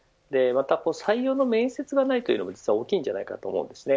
また、採用の面接がないというのも、実は大きいんじゃないかと思うんです。